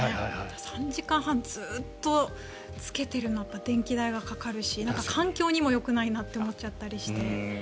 ３時間半、ずっとつけてるのは電気代がかかるし環境にもよくないなって思っちゃったりして。